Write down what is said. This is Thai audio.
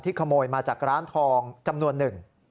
ขโมยมาจากร้านทองจำนวนหนึ่ง